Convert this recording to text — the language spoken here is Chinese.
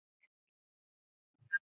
美亚生于澳洲悉尼。